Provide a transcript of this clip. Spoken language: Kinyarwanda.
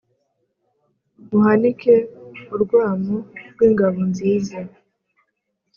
muhanike urwamu rw' ingabo nziza